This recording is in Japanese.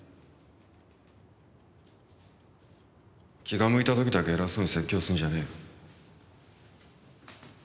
気が向いた時だけ偉そうに説教するんじゃねえよ。